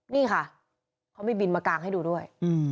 นี่ค่ะเขามีบินมากางให้ดูด้วย